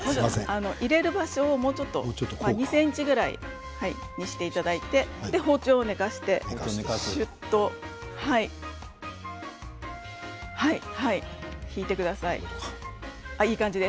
入れる場所を２ｃｍぐらいにしていただいて包丁を寝かせて、しゅっと引いてください。